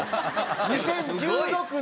２０１６年。